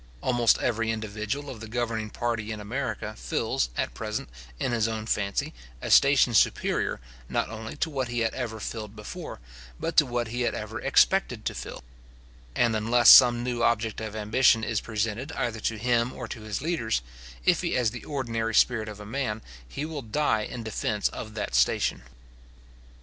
Almost every individual of the governing party in America fills, at present, in his own fancy, a station superior, not only to what he had ever filled before, but to what he had ever expected to fill; and unless some new object of ambition is presented either to him or to his leaders, if he has the ordinary spirit of a man, he will die in defence of that station.